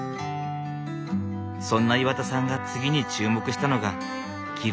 そんな岩田さんが次に注目したのが着るもの。